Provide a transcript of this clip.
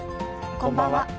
こんばんは。